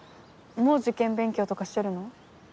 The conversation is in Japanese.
もう受験勉強とかしてるの？